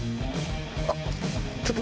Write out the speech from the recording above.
あっ！